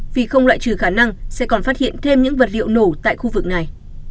vì không loại trừ khả năng sẽ còn phát hiện thêm những vật liệu nổ tại khu vực này